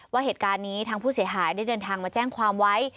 ว่าเหตุการณ์นี้ทางผู้เสียหายได้เดินทางมาแจ้งความไว้